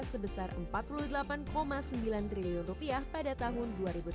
sebesar rp empat puluh delapan sembilan triliun pada tahun dua ribu sembilan belas